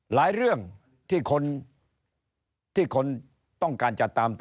หลายเรื่องที่คนที่คนต้องการจะตามต่อ